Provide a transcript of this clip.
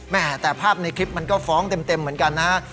แต่ภาพในคลิปมันก็ฟ้องเต็มเหมือนกันนะฮะ